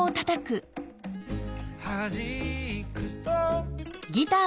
「はじくと」